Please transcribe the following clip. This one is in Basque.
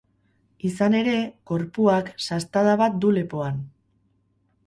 Izan ere, gorpuak sastada bat du lepoan.